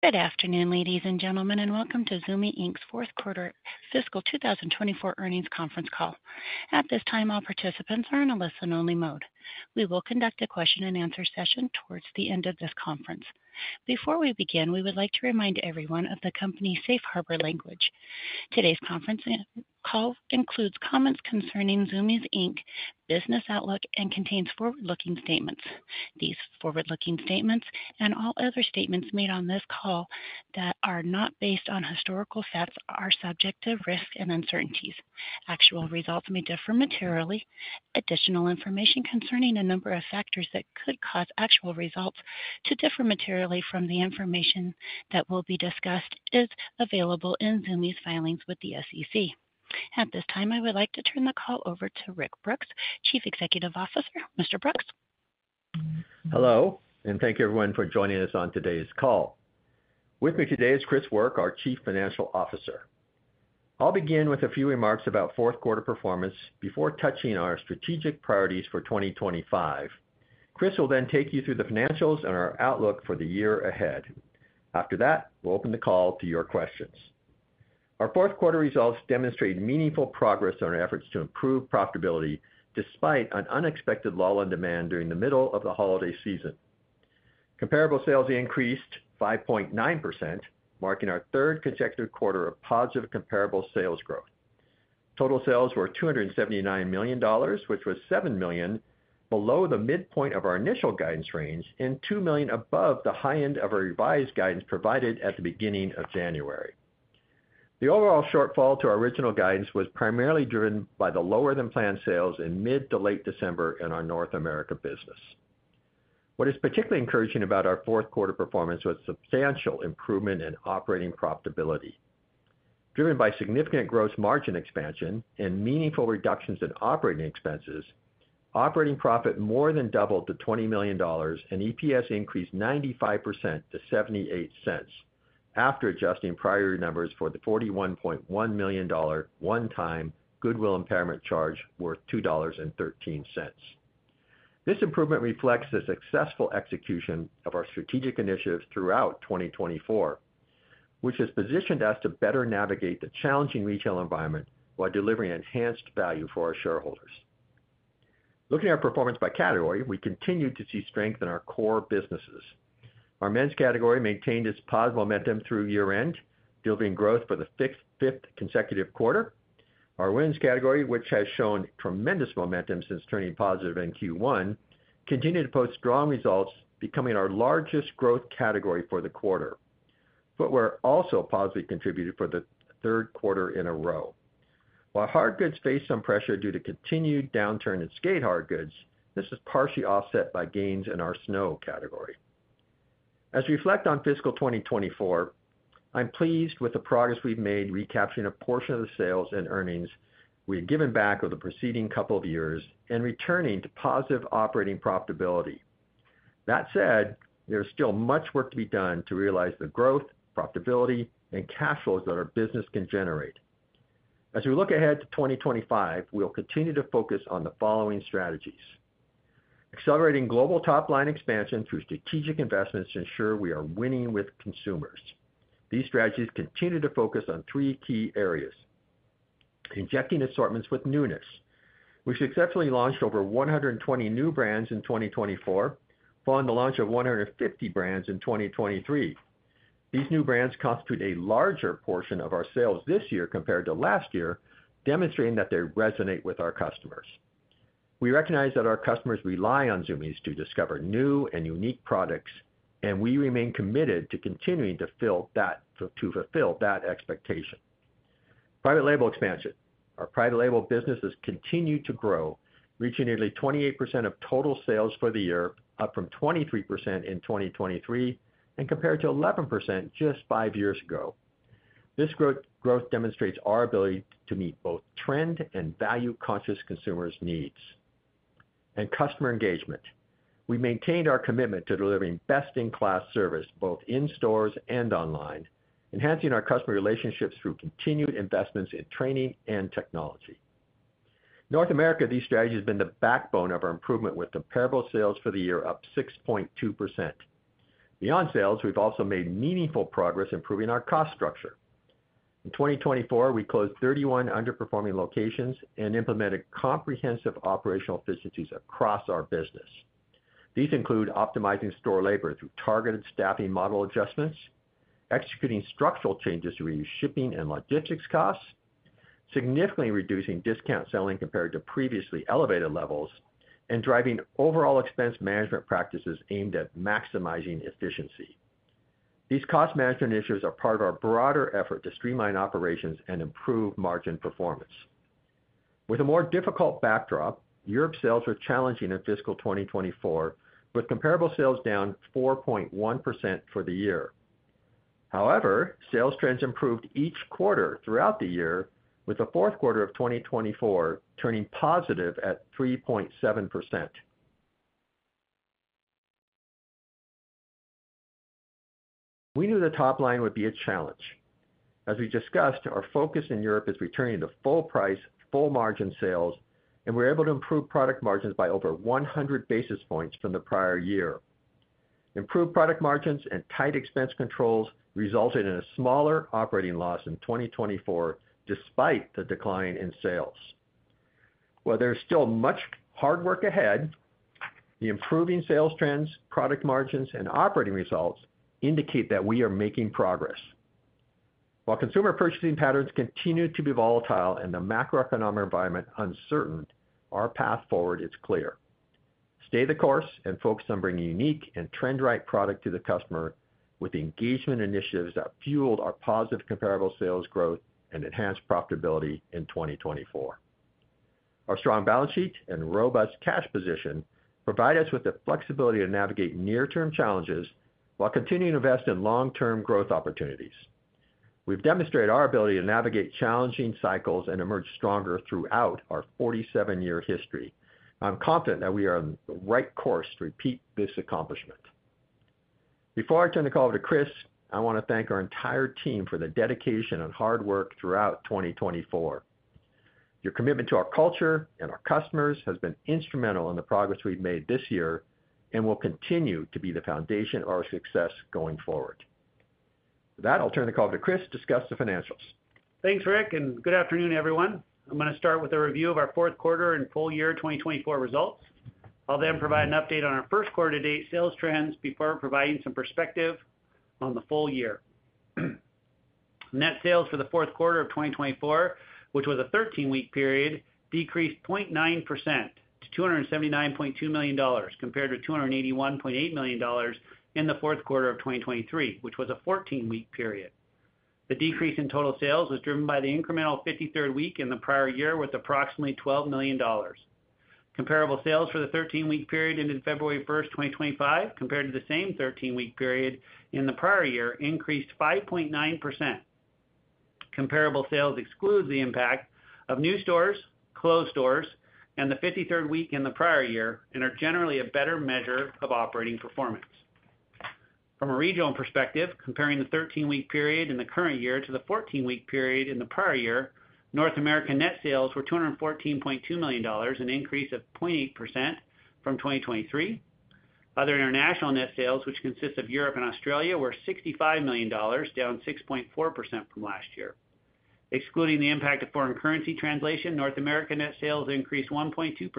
Good afternoon, ladies and gentlemen, and welcome to Zumiez Inc. fourth quarter fiscal 2024 earnings conference call. At this time, all participants are in a listen-only mode. We will conduct a question-and-answer session towards the end of this conference. Before we begin, we would like to remind everyone of the company's safe harbor language. Today's conference call includes comments concerning Zumiez Inc. business outlook and contains forward-looking statements. These forward-looking statements and all other statements made on this call that are not based on historical facts are subject to risk and uncertainties. Actual results may differ materially. Additional information concerning a number of factors that could cause actual results to differ materially from the information that will be discussed is available in Zumiez filings with the SEC. At this time, I would like to turn the call over to Rick Brooks, Chief Executive Officer. Mr. Brooks. Hello, and thank you, everyone, for joining us on today's call. With me today is Chris Work, our Chief Financial Officer. I'll begin with a few remarks about fourth quarter performance before touching our strategic priorities for 2025. Chris will then take you through the financials and our outlook for the year ahead. After that, we'll open the call to your questions. Our fourth quarter results demonstrate meaningful progress on our efforts to improve profitability despite an unexpected lull in demand during the middle of the holiday season. Comparable sales increased 5.9%, marking our third consecutive quarter of positive comparable sales growth. Total sales were $279 million, which was $7 million below the midpoint of our initial guidance range and $2 million above the high end of our revised guidance provided at the beginning of January. The overall shortfall to our original guidance was primarily driven by the lower-than-planned sales in mid to late December in our North America business. What is particularly encouraging about our fourth quarter performance was substantial improvement in operating profitability. Driven by significant gross margin expansion and meaningful reductions in operating expenses, operating profit more than doubled to $20 million, and EPS increased 95% to 78 cents after adjusting prior numbers for the $41.1 million one-time Goodwill Impairment charge worth $2.13. This improvement reflects the successful execution of our strategic initiatives throughout 2024, which has positioned us to better navigate the challenging retail environment while delivering enhanced value for our shareholders. Looking at our performance by category, we continue to see strength in our core businesses. Our men's category maintained its positive momentum through year-end, delivering growth for the fifth consecutive quarter. Our women's category, which has shown tremendous momentum since turning positive in Q1, continued to post strong results, becoming our largest growth category for the quarter. Footwear also positively contributed for the third quarter in a row. While hard goods faced some pressure due to continued downturn in skate hard goods, this was partially offset by gains in our snow category. As we reflect on fiscal 2024, I'm pleased with the progress we've made, recapturing a portion of the sales and earnings we had given back over the preceding couple of years and returning to positive operating profitability. That said, there is still much work to be done to realize the growth, profitability, and cash flows that our business can generate. As we look ahead to 2025, we'll continue to focus on the following strategies: accelerating global top-line expansion through strategic investments to ensure we are winning with consumers. These strategies continue to focus on three key areas: injecting assortments with newness. We successfully launched over 120 new brands in 2024, following the launch of 150 brands in 2023. These new brands constitute a larger portion of our sales this year compared to last year, demonstrating that they resonate with our customers. We recognize that our customers rely on Zumiez to discover new and unique products, and we remain committed to continuing to fulfill that expectation. Private label expansion. Our private label business has continued to grow, reaching nearly 28% of total sales for the year, up from 23% in 2023 and compared to 11% just five years ago. This growth demonstrates our ability to meet both trend and value-conscious consumers' needs. Customer engagement. We maintained our commitment to delivering best-in-class service both in stores and online, enhancing our customer relationships through continued investments in training and technology. In North America, these strategies have been the backbone of our improvement with comparable sales for the year, up 6.2%. Beyond sales, we've also made meaningful progress improving our cost structure. In 2024, we closed 31 underperforming locations and implemented comprehensive operational efficiencies across our business. These include optimizing store labor through targeted staffing model adjustments, executing structural changes to reduce shipping and logistics costs, significantly reducing discount selling compared to previously elevated levels, and driving overall expense management practices aimed at maximizing efficiency. These cost management initiatives are part of our broader effort to streamline operations and improve margin performance. With a more difficult backdrop, Europe sales were challenging in fiscal 2024, with comparable sales down 4.1% for the year. However, sales trends improved each quarter throughout the year, with the fourth quarter of 2024 turning positive at 3.7%. We knew the top line would be a challenge. As we discussed, our focus in Europe is returning to full-price, full-margin sales, and we were able to improve product margins by over 100 basis points from the prior year. Improved product margins and tight expense controls resulted in a smaller operating loss in 2024, despite the decline in sales. While there is still much hard work ahead, the improving sales trends, product margins, and operating results indicate that we are making progress. While consumer purchasing patterns continue to be volatile and the macroeconomic environment uncertain, our path forward is clear. Stay the course and focus on bringing unique and trend-right product to the customer with engagement initiatives that fueled our positive comparable sales growth and enhanced profitability in 2024. Our strong balance sheet and robust cash position provide us with the flexibility to navigate near-term challenges while continuing to invest in long-term growth opportunities. We've demonstrated our ability to navigate challenging cycles and emerge stronger throughout our 47-year history. I'm confident that we are on the right course to repeat this accomplishment. Before I turn the call over to Chris, I want to thank our entire team for the dedication and hard work throughout 2024. Your commitment to our culture and our customers has been instrumental in the progress we've made this year and will continue to be the foundation of our success going forward. With that, I'll turn the call over to Chris to discuss the financials. Thanks, Rick, and good afternoon, everyone. I'm going to start with a review of our fourth quarter and full year 2024 results. I'll then provide an update on our first quarter-to-date sales trends before providing some perspective on the full year. Net sales for the fourth quarter of 2024, which was a 13-week period, decreased 0.9% to $279.2 million compared to $281.8 million in the fourth quarter of 2023, which was a 14-week period. The decrease in total sales was driven by the incremental 53rd week in the prior year with approximately $12 million. Comparable sales for the 13-week period ended February 1, 2025, compared to the same 13-week period in the prior year, increased 5.9%. Comparable sales excludes the impact of new stores, closed stores, and the 53rd week in the prior year and are generally a better measure of operating performance. From a regional perspective, comparing the 13-week period in the current year to the 14-week period in the prior year, North America net sales were $214.2 million, an increase of 0.8% from 2023. Other international net sales, which consist of Europe and Australia, were $65 million, down 6.4% from last year. Excluding the impact of foreign currency translation, North America net sales increased 1.2%.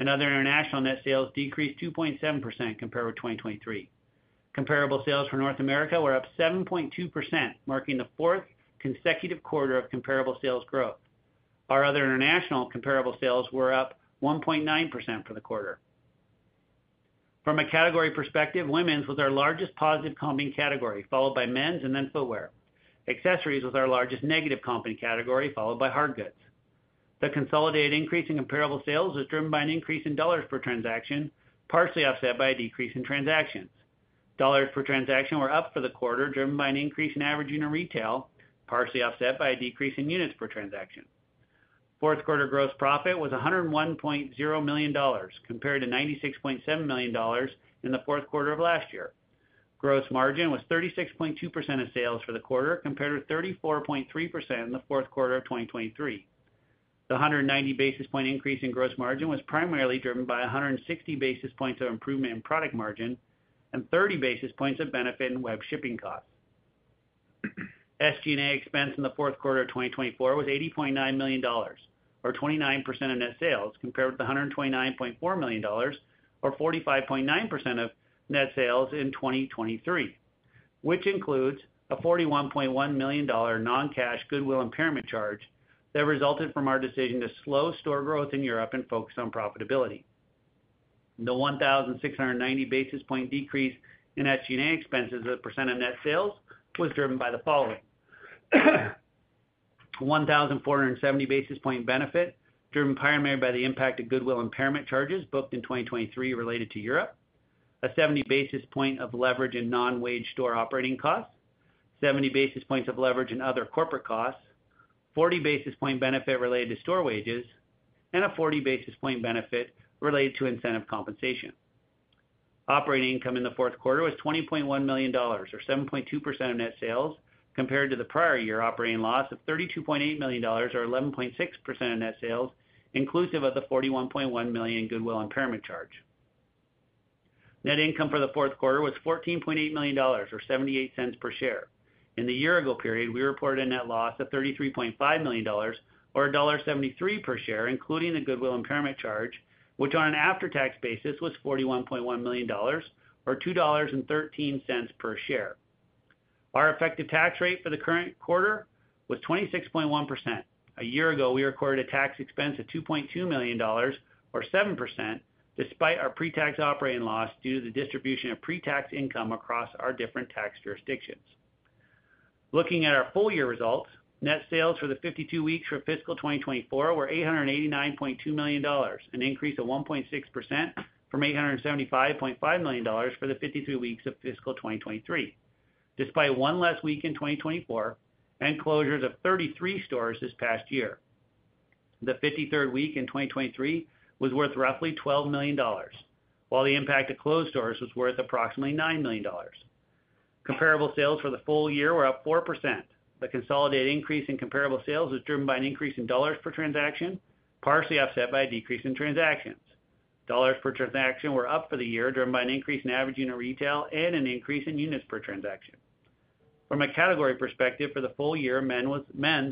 Other international net sales decreased 2.7% compared with 2023. Comparable sales for North America were up 7.2%, marking the fourth consecutive quarter of comparable sales growth. Our other international comparable sales were up 1.9% for the quarter. From a category perspective, women's was our largest positive comping category, followed by men's and then footwear. Accessories was our largest negative comping category, followed by hard goods. The consolidated increase in comparable sales was driven by an increase in dollars per transaction, partially offset by a decrease in transactions. Dollars per transaction were up for the quarter, driven by an increase in average unit retail, partially offset by a decrease in units per transaction. Fourth quarter gross profit was $101.0 million compared to $96.7 million in the fourth quarter of last year. Gross margin was 36.2% of sales for the quarter, compared to 34.3% in the fourth quarter of 2023. The 190 basis point increase in gross margin was primarily driven by 160 basis points of improvement in product margin and 30 basis points of benefit in web shipping costs. SG&A expense in the fourth quarter of 2024 was $80.9 million, or 29% of net sales, compared with $129.4 million, or 45.9% of net sales in 2023, which includes a $41.1 million non-cash Goodwill Impairment charge that resulted from our decision to slow store growth in Europe and focus on profitability. The 1,690 basis point decrease in SG&A expenses as a percent of net sales was driven by the following: 1,470 basis point benefit driven primarily by the impact of Goodwill Impairment charges booked in 2023 related to Europe, a 70 basis point of leverage in non-wage store operating costs, 70 basis points of leverage in other corporate costs, 40 basis point benefit related to store wages, and a 40 basis point benefit related to incentive compensation. Operating income in the fourth quarter was $20.1 million, or 7.2% of net sales, compared to the prior year operating loss of $32.8 million, or 11.6% of net sales, inclusive of the $41.1 million Goodwill Impairment charge. Net income for the fourth quarter was $14.8 million, or $0.78 per share. In the year-ago period, we reported a net loss of $33.5 million, or $1.73 per share, including the Goodwill Impairment charge, which on an after-tax basis was $41.1 million, or $2.13 per share. Our effective tax rate for the current quarter was 26.1%. A year ago, we recorded a tax expense of $2.2 million, or 7%, despite our pre-tax operating loss due to the distribution of pre-tax income across our different tax jurisdictions. Looking at our full year results, net sales for the 52 weeks for fiscal 2024 were $889.2 million, an increase of 1.6% from $875.5 million for the 53 weeks of fiscal 2023, despite one less week in 2024 and closures of 33 stores this past year. The 53rd week in 2023 was worth roughly $12 million, while the impact of closed stores was worth approximately $9 million. Comparable sales for the full year were up 4%. The consolidated increase in comparable sales was driven by an increase in dollars per transaction, partially offset by a decrease in transactions. Dollars per transaction were up for the year, driven by an increase in average unit retail and an increase in units per transaction. From a category perspective, for the full year, men's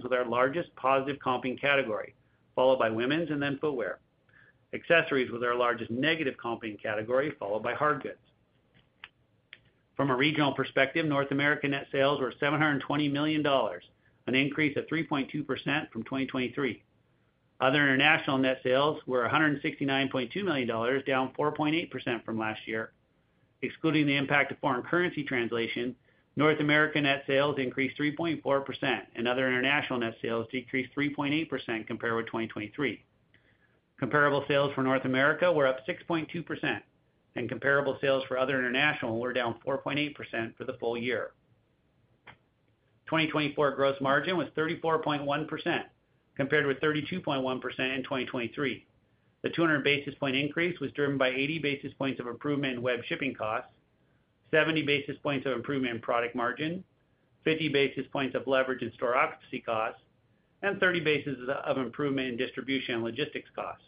was our largest positive comping category, followed by women's and then footwear. Accessories was our largest negative comping category, followed by hard goods. From a regional perspective, North America net sales were $720 million, an increase of 3.2% from 2023. Other international net sales were $169.2 million, down 4.8% from last year. Excluding the impact of foreign currency translation, North America net sales increased 3.4%, and other international net sales decreased 3.8% compared with 2023. Comparable sales for North America were up 6.2%, and comparable sales for other international were down 4.8% for the full year. 2024 gross margin was 34.1%, compared with 32.1% in 2023. The 200 basis point increase was driven by 80 basis points of improvement in web shipping costs, 70 basis points of improvement in product margin, 50 basis points of leverage in store occupancy costs, and 30 basis points of improvement in distribution and logistics costs.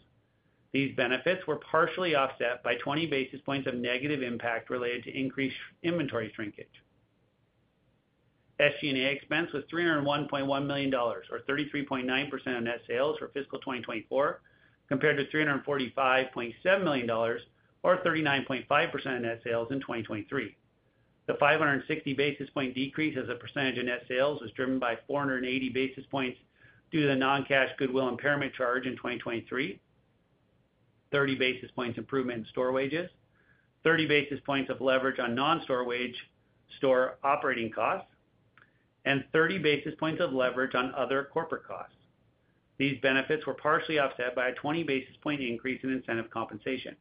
These benefits were partially offset by 20 basis points of negative impact related to increased inventory shrinkage. SG&A expense was $301.1 million, or 33.9% of net sales for fiscal 2024, compared to $345.7 million, or 39.5% of net sales in 2023. The 560 basis point decrease as a percentage in net sales was driven by 480 basis points due to the non-cash Goodwill Impairment charge in 2023, 30 basis points improvement in store wages, 30 basis points of leverage on non-store wage store operating costs, and 30 basis points of leverage on other corporate costs. These benefits were partially offset by a 20 basis point increase in incentive compensation.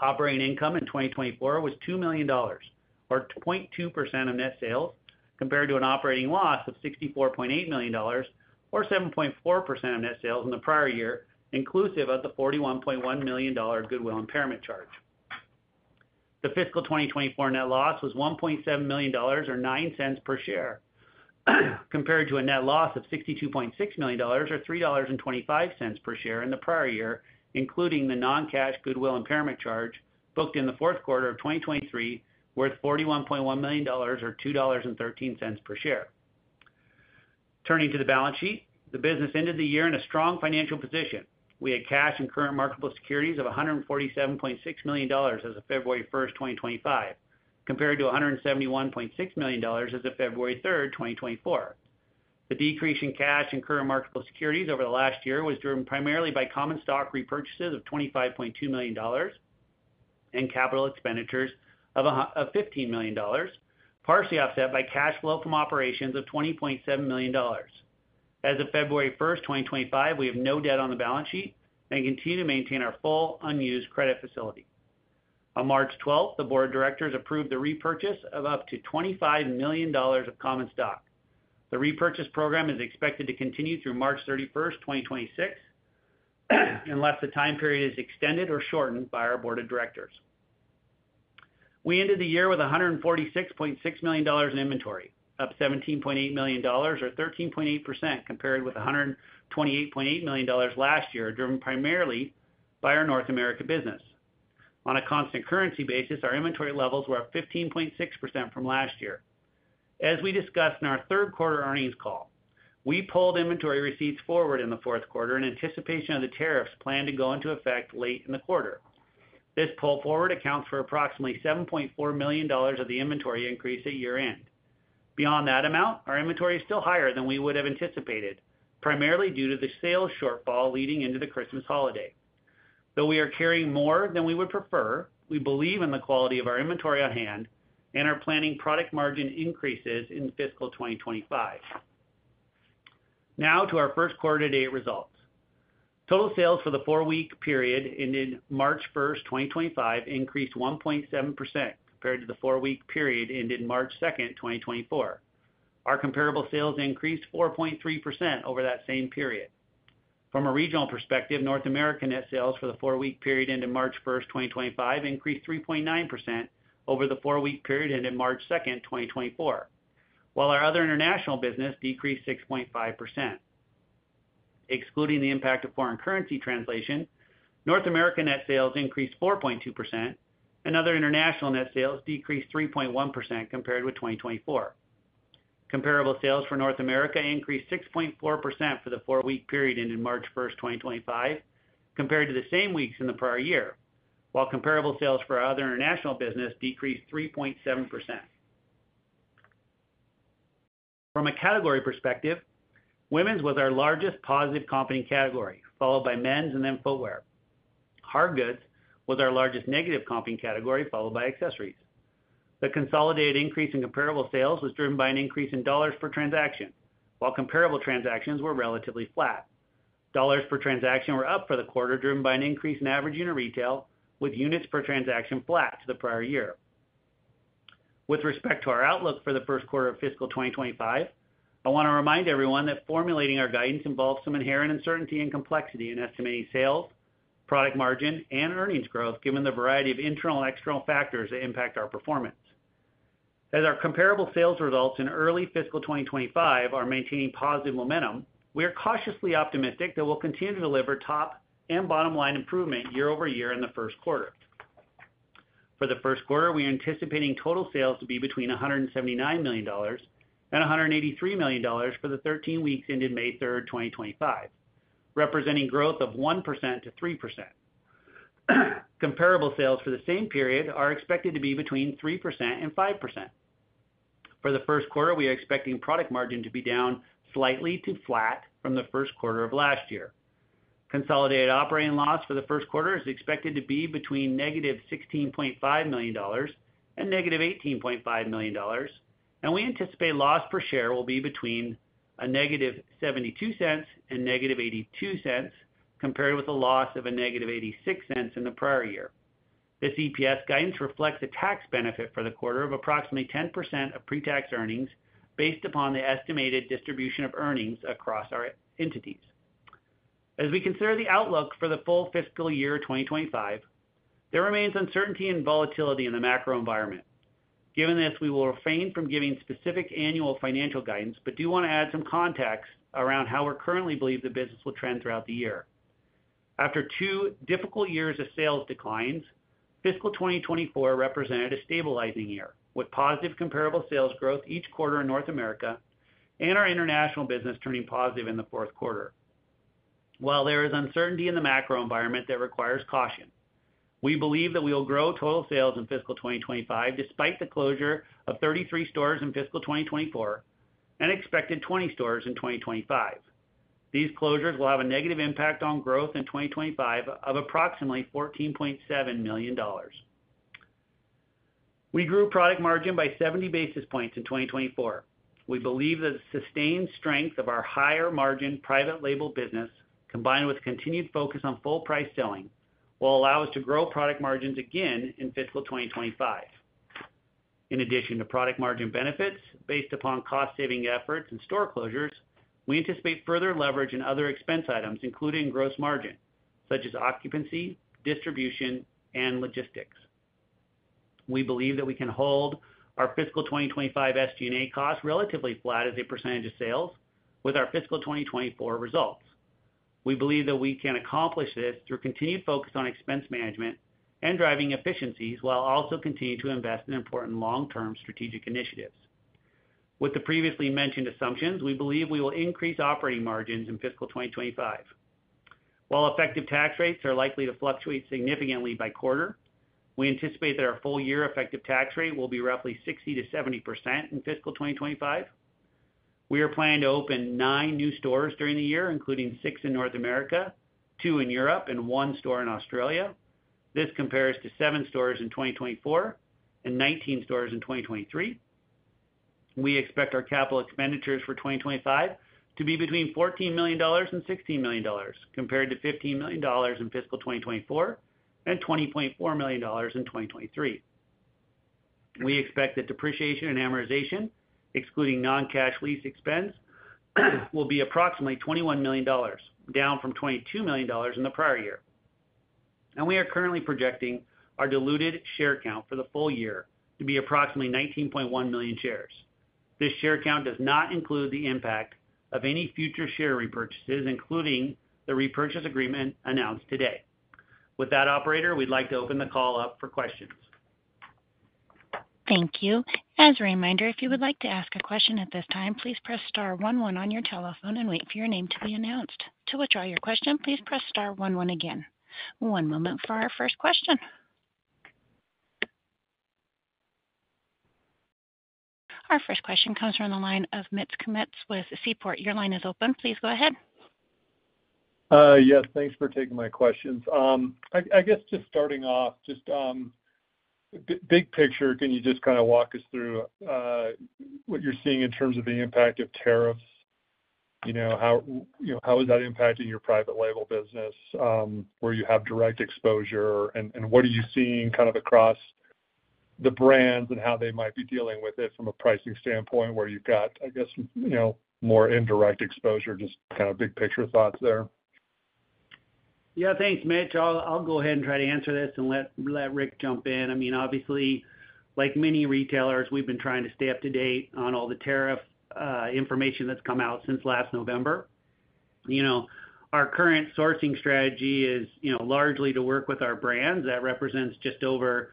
Operating income in 2024 was $2 million, or 0.2% of net sales, compared to an operating loss of $64.8 million, or 7.4% of net sales in the prior year, inclusive of the $41.1 million Goodwill Impairment charge. The fiscal 2024 net loss was $1.7 million, or $0.09 per share, compared to a net loss of $62.6 million, or $3.25 per share in the prior year, including the non-cash Goodwill Impairment charge booked in the fourth quarter of 2023, worth $41.1 million, or $2.13 per share. Turning to the balance sheet, the business ended the year in a strong financial position. We had cash and current marketable securities of $147.6 million as of February 1, 2025, compared to $171.6 million as of February 3, 2024. The decrease in cash and current marketable securities over the last year was driven primarily by common stock repurchases of $25.2 million and capital expenditures of $15 million, partially offset by cash flow from operations of $20.7 million. As of February 1, 2025, we have no debt on the balance sheet and continue to maintain our full unused credit facility. On March 12, the board of directors approved the repurchase of up to $25 million of common stock. The repurchase program is expected to continue through March 31, 2026, unless the time period is extended or shortened by our board of directors. We ended the year with $146.6 million in inventory, up $17.8 million, or 13.8%, compared with $128.8 million last year, driven primarily by our North America business. On a constant currency basis, our inventory levels were up 15.6% from last year. As we discussed in our third quarter earnings call, we pulled inventory receipts forward in the fourth quarter in anticipation of the tariffs planned to go into effect late in the quarter. This pull forward accounts for approximately $7.4 million of the inventory increase at year-end. Beyond that amount, our inventory is still higher than we would have anticipated, primarily due to the sales shortfall leading into the Christmas holiday. Though we are carrying more than we would prefer, we believe in the quality of our inventory on hand and are planning product margin increases in fiscal 2025. Now to our first quarter-to-date results. Total sales for the four-week period ended March 1, 2025, increased 1.7% compared to the four-week period ended March 2, 2024. Our comparable sales increased 4.3% over that same period. From a regional perspective, North America net sales for the four-week period ended March 1, 2025, increased 3.9% over the four-week period ended March 2, 2024, while our other international business decreased 6.5%. Excluding the impact of foreign currency translation, North America net sales increased 4.2%, and other international net sales decreased 3.1% compared with 2024. Comparable sales for North America increased 6.4% for the four-week period ended March 1, 2025, compared to the same weeks in the prior year, while comparable sales for our other international business decreased 3.7%. From a category perspective, women's was our largest positive comping category, followed by men's and then footwear. Hard goods was our largest negative comping category, followed by accessories. The consolidated increase in comparable sales was driven by an increase in dollars per transaction, while comparable transactions were relatively flat. Dollars per transaction were up for the quarter, driven by an increase in average unit retail, with units per transaction flat to the prior year. With respect to our outlook for the first quarter of fiscal 2025, I want to remind everyone that formulating our guidance involves some inherent uncertainty and complexity in estimating sales, product margin, and earnings growth, given the variety of internal and external factors that impact our performance. As our comparable sales results in early fiscal 2025 are maintaining positive momentum, we are cautiously optimistic that we'll continue to deliver top and bottom-line improvement year over year in the first quarter. For the first quarter, we are anticipating total sales to be between $179 million and $183 million for the 13 weeks ended May 3, 2025, representing growth of 1%-3%. Comparable sales for the same period are expected to be between 3%-5%. For the first quarter, we are expecting product margin to be down slightly to flat from the first quarter of last year. Consolidated operating loss for the first quarter is expected to be between negative $16.5 million and negative $18.5 million, and we anticipate loss per share will be between a negative $0.72 and negative $0.82 compared with a loss of a negative $0.86 in the prior year. This EPS guidance reflects a tax benefit for the quarter of approximately 10% of pre-tax earnings based upon the estimated distribution of earnings across our entities. As we consider the outlook for the full fiscal year 2025, there remains uncertainty and volatility in the macro environment. Given this, we will refrain from giving specific annual financial guidance, but do want to add some context around how we currently believe the business will trend throughout the year. After two difficult years of sales declines, fiscal 2024 represented a stabilizing year with positive comparable sales growth each quarter in North America and our international business turning positive in the fourth quarter. While there is uncertainty in the macro environment that requires caution, we believe that we will grow total sales in fiscal 2025 despite the closure of 33 stores in fiscal 2024 and expected 20 stores in 2025. These closures will have a negative impact on growth in 2025 of approximately $14.7 million. We grew product margin by 70 basis points in 2024. We believe that the sustained strength of our higher-margin private label business, combined with continued focus on full-price selling, will allow us to grow product margins again in fiscal 2025. In addition to product margin benefits based upon cost-saving efforts and store closures, we anticipate further leverage in other expense items, including gross margin, such as occupancy, distribution, and logistics. We believe that we can hold our fiscal 2025 SG&A costs relatively flat as a percentage of sales with our fiscal 2024 results. We believe that we can accomplish this through continued focus on expense management and driving efficiencies while also continuing to invest in important long-term strategic initiatives. With the previously mentioned assumptions, we believe we will increase operating margins in fiscal 2025. While effective tax rates are likely to fluctuate significantly by quarter, we anticipate that our full-year effective tax rate will be roughly 60%-70% in fiscal 2025. We are planning to open nine new stores during the year, including six in North America, two in Europe, and one store in Australia. This compares to seven stores in 2024 and 19 stores in 2023. We expect our capital expenditures for 2025 to be between $14 million and $16 million, compared to $15 million in fiscal 2024 and $20.4 million in 2023. We expect that depreciation and amortization, excluding non-cash lease expense, will be approximately $21 million, down from $22 million in the prior year. We are currently projecting our diluted share count for the full year to be approximately 19.1 million shares. This share count does not include the impact of any future share repurchases, including the repurchase agreement announced today. With that, operator, we'd like to open the call up for questions. Thank you. As a reminder, if you would like to ask a question at this time, please press star one, one on your telephone and wait for your name to be announced. To withdraw your question, please press star one, one again. One moment for our first question. Our first question comes from the line of Mitch Kummertz with Seaport. Your line is open. Please go ahead. Yes. Thanks for taking my questions. I guess just starting off, just big picture, can you just kind of walk us through what you're seeing in terms of the impact of tariffs? How is that impacting your private label business where you have direct exposure? And what are you seeing kind of across the brands and how they might be dealing with it from a pricing standpoint where you've got, I guess, more indirect exposure? Just kind of big picture thoughts there. Yeah. Thanks, Mitch. I'll go ahead and try to answer this and let Rick jump in. I mean, obviously, like many retailers, we've been trying to stay up to date on all the tariff information that's come out since last November. Our current sourcing strategy is largely to work with our brands. That represents just over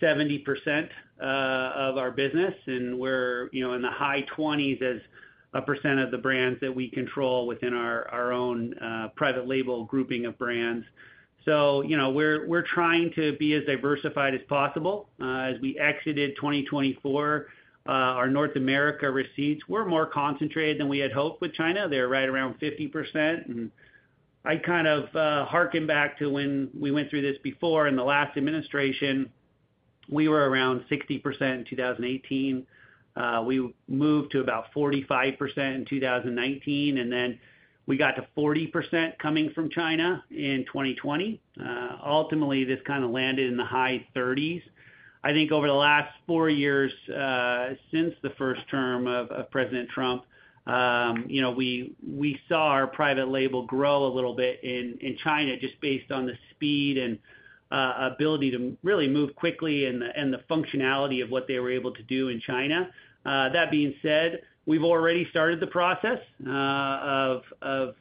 70% of our business, and we're in the high 20s as a percent of the brands that we control within our own private label grouping of brands. We're trying to be as diversified as possible. As we exited 2024, our North America receipts were more concentrated than we had hoped with China. They're right around 50%. I kind of harken back to when we went through this before. In the last administration, we were around 60% in 2018. We moved to about 45% in 2019, and then we got to 40% coming from China in 2020. Ultimately, this kind of landed in the high 30s. I think over the last four years since the first term of President Trump, we saw our private label grow a little bit in China just based on the speed and ability to really move quickly and the functionality of what they were able to do in China. That being said, we've already started the process of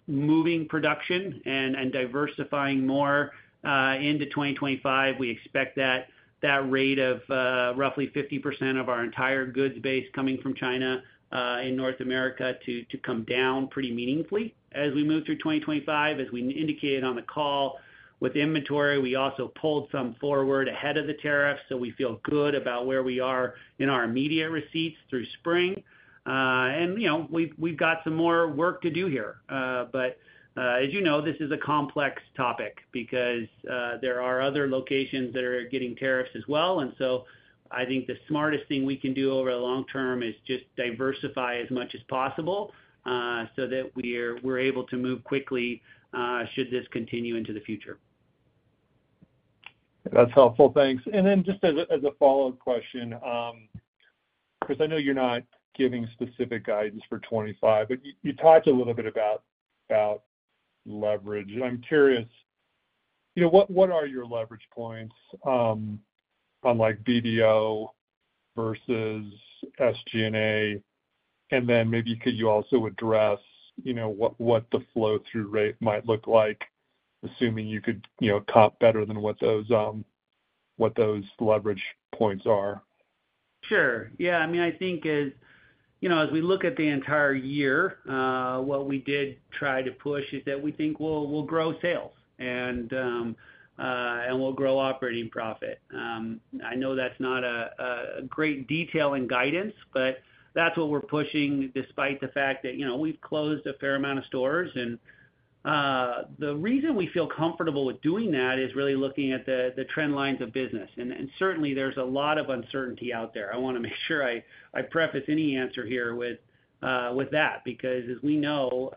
moving production and diversifying more into 2025. We expect that rate of roughly 50% of our entire goods base coming from China in North America to come down pretty meaningfully as we move through 2025. As we indicated on the call with inventory, we also pulled some forward ahead of the tariffs, so we feel good about where we are in our immediate receipts through spring. We've got some more work to do here. As you know, this is a complex topic because there are other locations that are getting tariffs as well. I think the smartest thing we can do over the long term is just diversify as much as possible so that we're able to move quickly should this continue into the future. That's helpful. Thanks. Just as a follow-up question, because I know you're not giving specific guidance for 2025, but you talked a little bit about leverage. I'm curious, what are your leverage points on BDO versus SG&A? Maybe could you also address what the flow-through rate might look like, assuming you could comp better than what those leverage points are? Sure. Yeah. I mean, I think as we look at the entire year, what we did try to push is that we think we'll grow sales and we'll grow operating profit. I know that's not a great detail in guidance, but that's what we're pushing despite the fact that we've closed a fair amount of stores. The reason we feel comfortable with doing that is really looking at the trend lines of business. Certainly, there's a lot of uncertainty out there. I want to make sure I preface any answer here with that because, as we know,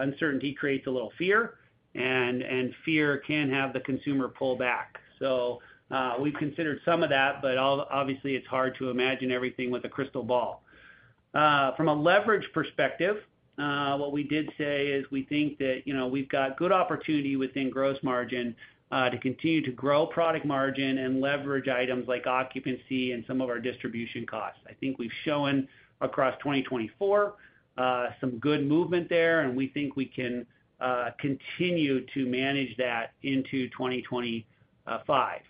uncertainty creates a little fear, and fear can have the consumer pull back. We've considered some of that, but obviously, it's hard to imagine everything with a crystal ball. From a leverage perspective, what we did say is we think that we've got good opportunity within gross margin to continue to grow product margin and leverage items like occupancy and some of our distribution costs. I think we've shown across 2024 some good movement there, and we think we can continue to manage that into 2025.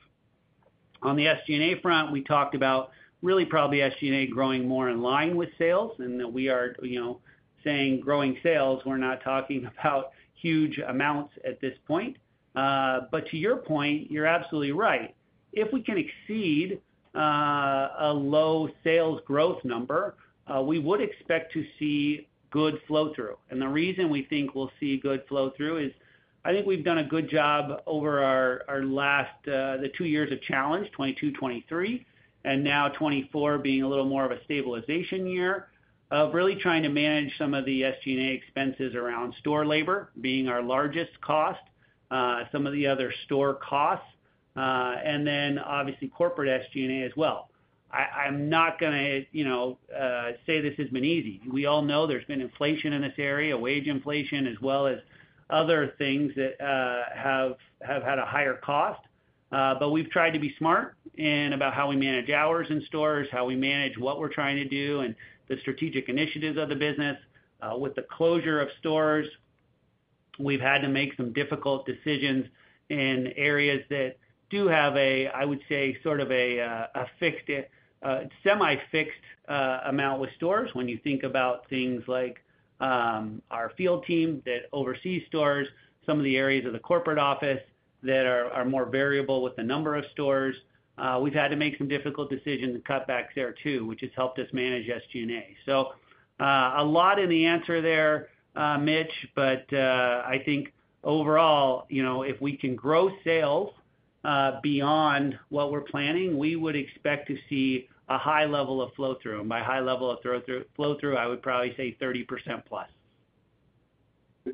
On the SG&A front, we talked about really probably SG&A growing more in line with sales and that we are saying growing sales. We're not talking about huge amounts at this point. To your point, you're absolutely right. If we can exceed a low sales growth number, we would expect to see good flow-through. The reason we think we'll see good flow-through is I think we've done a good job over the two years of challenge, 2022, 2023, and now 2024 being a little more of a stabilization year of really trying to manage some of the SG&A expenses around store labor being our largest cost, some of the other store costs, and then obviously corporate SG&A as well. I'm not going to say this has been easy. We all know there's been inflation in this area, wage inflation, as well as other things that have had a higher cost. We've tried to be smart about how we manage hours in stores, how we manage what we're trying to do, and the strategic initiatives of the business. With the closure of stores, we've had to make some difficult decisions in areas that do have a, I would say, sort of a semi-fixed amount with stores. When you think about things like our field team that oversees stores, some of the areas of the corporate office that are more variable with the number of stores, we've had to make some difficult decisions and cutbacks there too, which has helped us manage SG&A. A lot in the answer there, Mitch, but I think overall, if we can grow sales beyond what we're planning, we would expect to see a high level of flow-through. And by high level of flow-through, I would probably say 30% plus.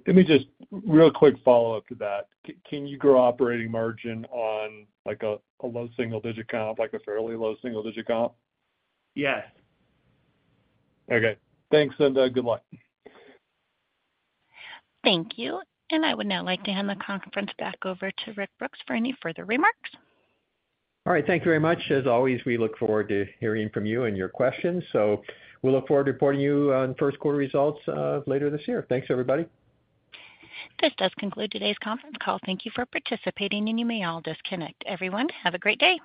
Let me just real quick follow up to that. Can you grow operating margin on a low single-digit count, like a fairly low single-digit count? Yes. Okay. Thanks and good luck. Thank you. I would now like to hand the conference back over to Rick Brooks for any further remarks. All right. Thank you very much. As always, we look forward to hearing from you and your questions. We look forward to reporting you on first-quarter results later this year. Thanks, everybody. This does conclude today's conference call. Thank you for participating, and you may all disconnect. Everyone, have a great day.